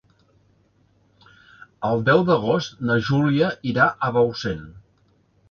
El deu d'agost na Júlia irà a Bausen.